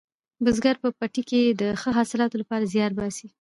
بزګر په پټي کې د ښه حاصلاتو لپاره زیار باسي